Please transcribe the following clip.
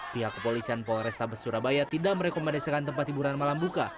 pihak kepolisian polrestabes surabaya tidak merekomendasikan tempat hiburan malam buka